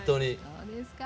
そうですか。